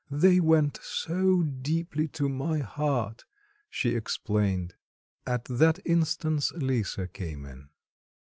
"They went so deeply to my heart," she explained. At that instant Lisa came in.